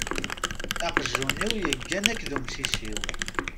Aqjun-iw yeggan akked umcic-iw.